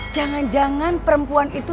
jangan jangan perempuan itu